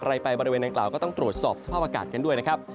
ไปบริเวณนางกล่าวก็ต้องตรวจสอบสภาพอากาศกันด้วยนะครับ